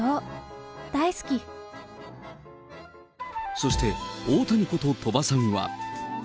そして、オータニこと鳥羽さんは。